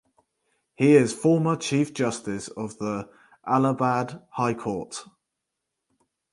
He is former Chief Justice of the Allahabad High Court.